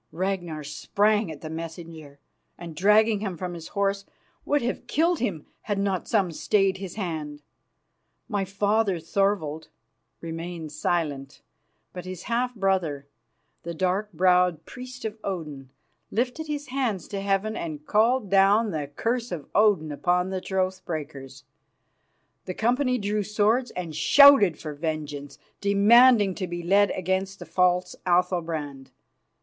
Ragnar sprang at the messenger, and, dragging him from his horse, would have killed him had not some stayed his hand. My father, Thorvald, remained silent, but his half brother, the dark browed priest of Odin, lifted his hands to heaven and called down the curse of Odin upon the troth breakers. The company drew swords and shouted for vengeance, demanding to be led against the false Athalbrand.